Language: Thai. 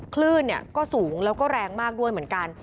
คลื่นก็สูงแล้วก็แรงมากด้วยเหมือนกัน